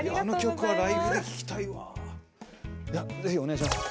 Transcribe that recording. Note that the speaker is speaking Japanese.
いやぜひお願いします。